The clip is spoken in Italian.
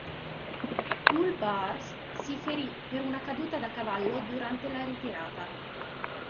Kaul'bars si ferì per una caduta da cavallo durante la ritirata.